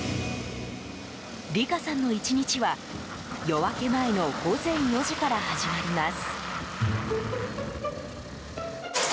理佳さんの１日は、夜明け前の午前４時から始まります。